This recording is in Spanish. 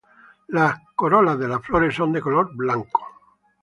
Las corolas de las flores son de color blanco.